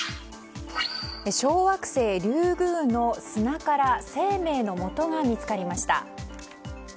小惑星リュウグウの砂から生命のもとが見つかりました。